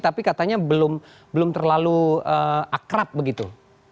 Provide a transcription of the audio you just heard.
tapi katanya belum terlalu akrab begitu